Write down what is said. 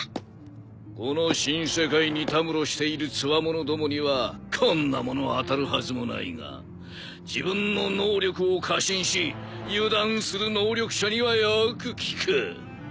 この新世界にたむろしているつわものどもにはこんなもの当たるはずもないが自分の能力を過信し油断する能力者にはよく効く。